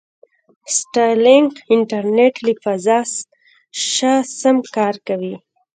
سټارلینک انټرنېټ له فضا شه سم کار کوي.